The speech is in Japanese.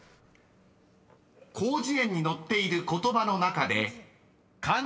［広辞苑に載っている言葉の中で］